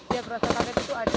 ya berasa kaget itu ada